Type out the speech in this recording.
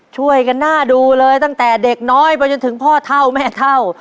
ช่วยกันหน้าดูเลยตั้งแต่เด็กน้อยไปจนถึงพ่อเท่าแม่เท่า